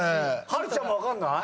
波瑠ちゃんも分かんない？